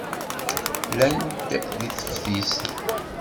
Llant deg teftist.